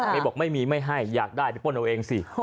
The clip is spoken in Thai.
บอกไม่มีไม่ให้อยากได้ไปป้นเอาเองสิ